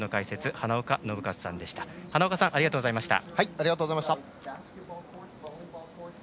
花岡さんありがとうございました。